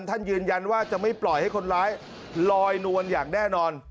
ยืนยันว่าจะไม่ปล่อยให้คนร้ายลอยนวลอย่างแน่นอน